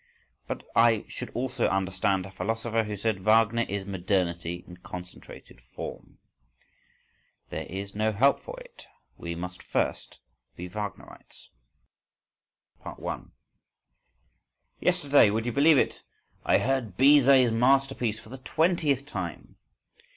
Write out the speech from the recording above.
But I should also understand a philosopher who said, "Wagner is modernity in concentrated form." There is no help for it, we must first be Wagnerites.… 1. Yesterday—would you believe it?—I heard Bizet's masterpiece for the twentieth time.